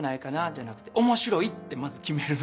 じゃなくて「おもしろい！」ってまず決めるの。